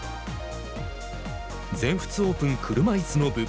全仏オープン車いすの部。